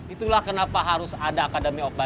itulah kenapa harus ada akademi yang berani